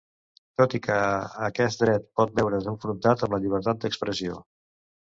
Tot i que aquest dret pot veure's enfrontat amb la llibertat d'expressió.